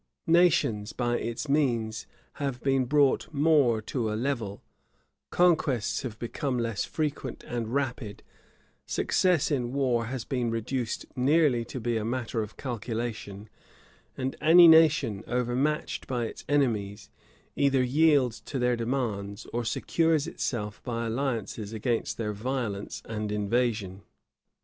Nations, by its means, have been brought more to a level: conquests have become less frequent and rapid: success in war has been reduced nearly to be a matter of calculation: and any nation, overmatched by its enemies, either yields to their demands or secures itself by alliances against their violence and invasion.